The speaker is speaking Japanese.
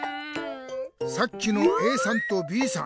さっきのＡさんとＢさん